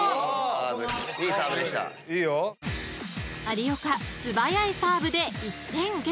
［有岡素早いサーブで１点ゲット］